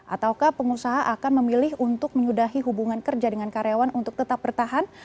ataukah pengusaha akan memilih untuk menyudahi hubungan kerja dengan karyawan untuk tetap bertahan